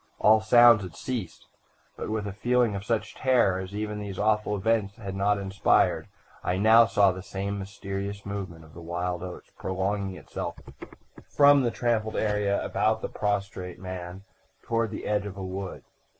All sounds had ceased, but, with a feeling of such terror as even these awful events had not inspired, I now saw the same mysterious movement of the wild oats prolonging itself from the trampled area about the prostrate man toward the edge of a wood.